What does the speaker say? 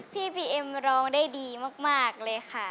พี่พีเอ็มร้องได้ดีมากเลยค่ะ